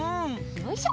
よいしょ。